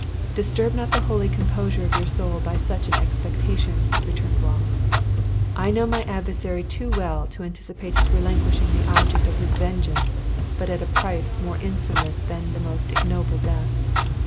"Disturb not the holy composure of your soul by such an expectation," returned Wallace; "I know my adversary too well to anticipate his relinquishing the object of his vengeance but at a price more infamous than the most ignoble death.